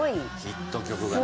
ヒット曲がね。